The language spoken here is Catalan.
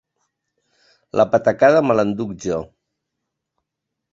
La patacada me l'enduc jo.